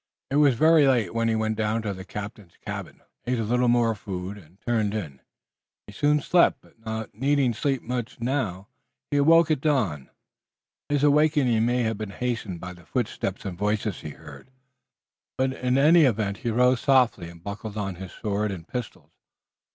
It was very late, when he went down to the captain's cabin, ate a little more food and turned in. He soon slept, but not needing sleep much now, he awoke at dawn. His awakening may have been hastened by the footsteps and voices he heard, but in any event he rose softly and buckled on his sword and pistols.